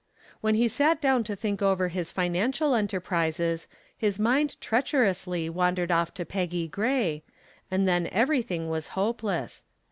When he sat down to think over his financial enterprises his mind treacherously wandered off to Peggy Gray, and then everything was hopeless.